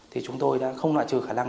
thì chúng tôi đã không loại trừ khả năng